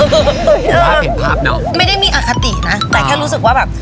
ภาพเห็นภาพเนอะไม่ได้มีอคตินะแต่แค่รู้สึกว่าแบบ